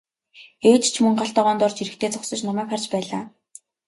Ээж ч мөн гал тогоонд орж ирэхдээ зогсож намайг харж байлаа.